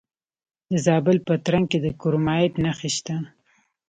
د زابل په ترنک کې د کرومایټ نښې شته.